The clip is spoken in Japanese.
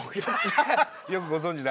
よくご存じで。